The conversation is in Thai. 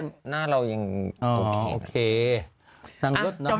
จบยัง